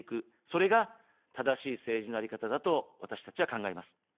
それが正しい政治のあり方だと、私たちは考えます。